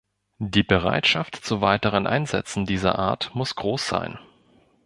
Die Bereitschaft zu weiteren Einsätzen dieser Art muss groß sein.